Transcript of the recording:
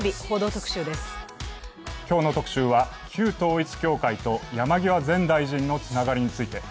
今日の特集は旧統一教会と山際前大臣のつながりについて。